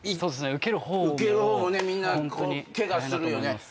受ける方もねみんなケガするよね。